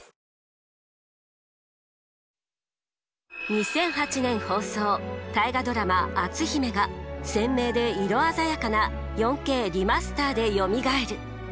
２００８年放送大河ドラマ「篤姫」が鮮明で色鮮やかな４Ｋリマスターでよみがえる！